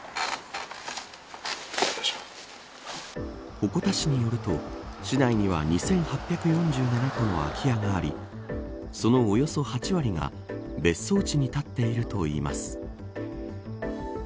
鉾田市によると市内には２８４７戸の空き家がありそのおよそ８割が別荘地に建っているといいます。